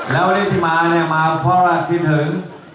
แล้ววันนี้ที่มาเนี่ยมาเพราะเราคิดถึง